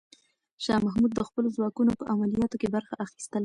شاه محمود د خپلو ځواکونو په عملیاتو کې برخه اخیستله.